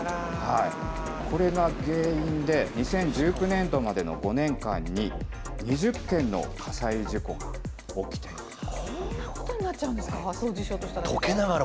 これが原因で、２０１９年度までの５年間に２０件の火災事故が起きているというこんなことになっちゃうんですか、掃除しようとしたら。